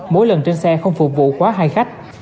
mỗi lần trên xe không phục vụ quá hai khách